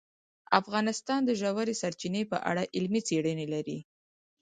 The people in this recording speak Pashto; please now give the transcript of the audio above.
افغانستان د ژورې سرچینې په اړه علمي څېړنې لري.